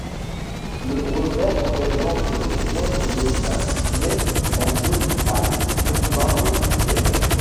Le revers présente les mêmes dessins mais en jaune pâle sur marron plus clair.